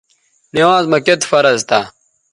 نِوانز مہ کِت فرض تھا